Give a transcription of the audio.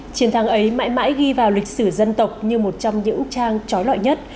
chiến thắng ấy mãi mãi ghi vào lịch sử dân tộc như một trong những trang trói lọi nhất